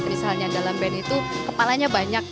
misalnya dalam band itu kepalanya banyak